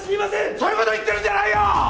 そういう事を言ってるんじゃないよ！！